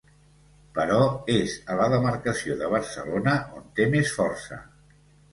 Però és a la demarcació de Barcelona on té més força.